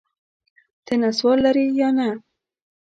ته نسوار لرې یا نه؟